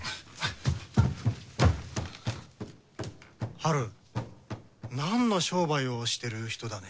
はる何の商売をしてる人だね。